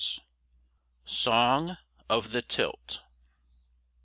SONG OF THE TILT.